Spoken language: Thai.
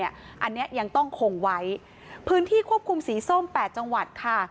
อันนี้ยังต้องคงไว้พื้นที่ควบคุมสีส้ม๘จังหวัดค่ะ